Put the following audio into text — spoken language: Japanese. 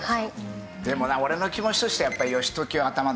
でもな俺の気持ちとしてはやっぱり義時は頭だね。